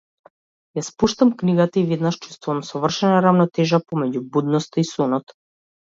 Ја спуштам книгата и веднаш чувствувам совршена рамнотежа помеѓу будноста и сонот.